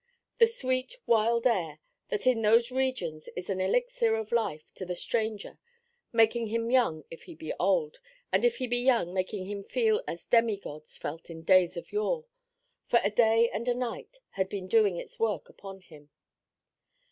The sweet, wild air, that in those regions is an elixir of life to the stranger, making him young if he be old, and if he be young making him feel as demigods felt in days of yore, for a day and a night had been doing its work upon him.